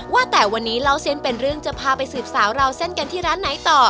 ว่าแต่วันนี้เล่าเส้นเป็นเรื่องจะพาไปสืบสาวราวเส้นกันที่ร้านไหนต่อ